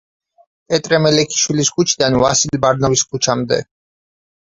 პეტრე მელიქიშვილის ქუჩიდან ვასილ ბარნოვის ქუჩამდე.